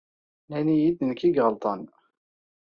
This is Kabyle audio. Nnan-iyi-d d lɣelḍa-inu.